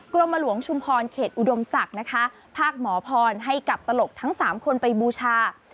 กรมหลวงชุมพรเขตอุดมศักดิ์นะคะภาคหมอพรให้กับตลกทั้ง๓คนไปบูชา